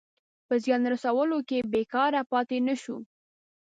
په زیان رسولو کې بېکاره پاته نه شو.